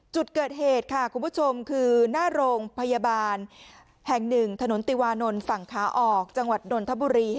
จุดเกิดเหตุค่ะคุณผู้ชมคือหน้าโรงพยาบาลแห่งหนึ่งถนนติวานนท์ฝั่งขาออกจังหวัดนนทบุรี